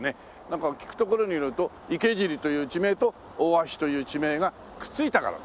なんか聞くところによると池尻という地名と大橋という地名がくっついたから。